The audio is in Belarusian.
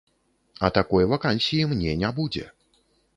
А такой вакансіі мне не будзе.